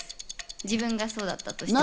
自分がそうだったとしても。